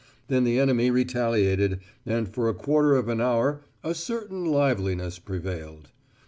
Then the enemy retaliated, and for a quarter of an hour "a certain liveliness prevailed."